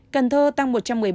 cần thơ tăng một trăm một mươi bảy